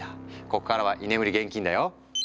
こっからは居眠り厳禁だよ。